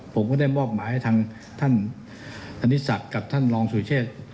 ผมก็ได้มอบหมายให้ทางท่านอนิสักกับท่านรองสุเชษ